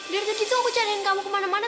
dari tadi tuh aku cariin kamu kemana mana